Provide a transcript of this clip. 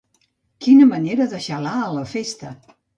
Quina manera de xalar a la festa.